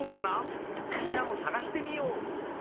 みんなもさがしてみよう！